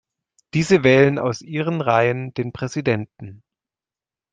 Diese wählen aus ihren Reihen den Präsidenten.